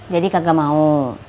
jadi kagak mau